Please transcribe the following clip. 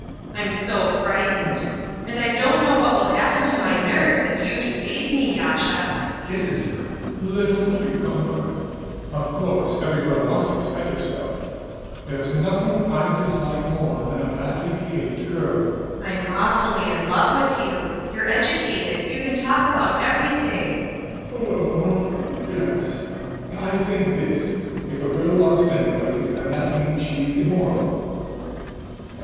I'm so frightened. And I don't know what will happen to my nerves if you deceive me, Yasha. YASHA. [Kisses her] Little cucumber! Of course, every girl must respect herself; there's nothing I dislike more than a badly behaved girl. DUNYASHA. I'm awfully in love with you; you're educated, you can talk about everything. YASHA. Yes. I think this: if a girl loves anybody, then that means she's immoral.